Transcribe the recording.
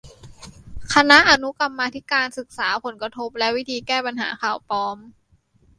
คณะอนุกรรมาธิการศึกษาผลกระทบและวิธีแก้ปัญหาข่าวปลอม